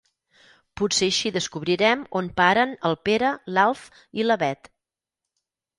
Potser així descobrirem on paren el Pere, l'Alf i la Bet.